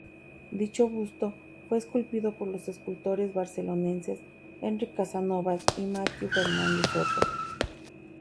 Dicho busto fue esculpido por los escultores barceloneses Enric Casanovas y Mateu Fernández Soto.